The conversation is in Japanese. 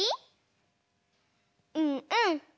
うんうん。